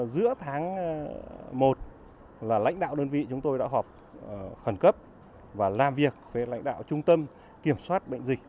giữa tháng một là lãnh đạo đơn vị chúng tôi đã họp khẩn cấp và làm việc với lãnh đạo trung tâm kiểm soát bệnh dịch